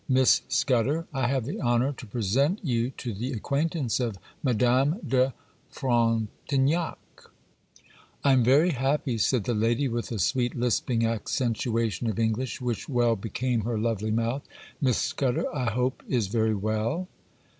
Miss Scudder, I have the honour to present you to the acquaintance of Madame de Frontignac.' 'I am very happy,' said the lady, with a sweet lisping accentuation of English, which well became her lovely mouth. 'Miss Scudder, I hope, is very well?